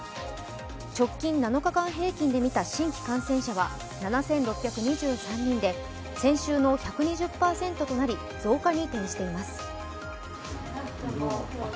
直近７日間平均で見た新規感染者は７６２３人で先週の１２０％となり増加に転じています。